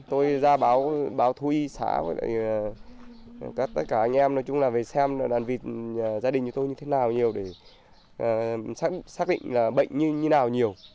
tôi ra báo báo thu y xã với lại tất cả anh em nói chung là về xem đàn vịt gia đình như tôi như thế nào nhiều để xác định là bệnh như nào nhiều